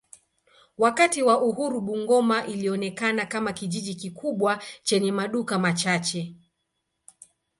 Wakati wa uhuru Bungoma ilionekana kama kijiji kikubwa chenye maduka machache.